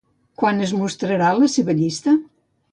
Quan es mostrarà la seva llista?